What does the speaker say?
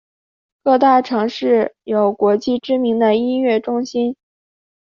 各大城市有国际知名的音乐中心。